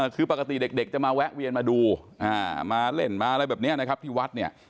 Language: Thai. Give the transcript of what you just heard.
คือปกติเด็กจะมาแวะเวียนมาดูมาเล่นมาอะไรแบบนี้นะครับที่วัดเนี่ย